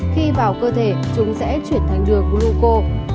khi vào cơ thể chúng sẽ chuyển thành đường gluco